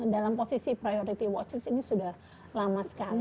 dalam posisi priority watch list ini sudah lama sekali